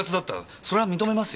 それは認めます。